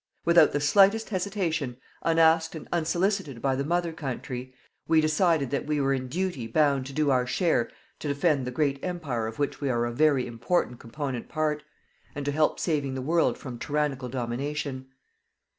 Without the slightest hesitation, unasked and unsolicited by the Mother Country, we decided that we were in duty bound to do our share to defend the great Empire of which we are a very important component part, and to help saving the world from tyrannical domination.